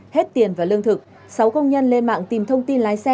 hết tiền và lương thực sáu công nhân lên mạng tìm thông tin